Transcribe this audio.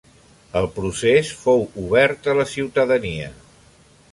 El procés fou obert a la ciutadania.